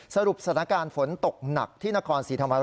สรุปสถานการณ์ฝนตกหนักที่นครศรีธรรมราช